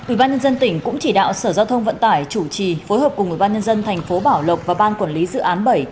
ubnd tỉnh cũng chỉ đạo sở giao thông vận tải chủ trì phối hợp cùng ubnd tp bảo lộc và ban quản lý dự án bảy